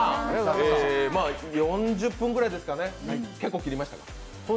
４０分ぐらいですかね結構切りましたか？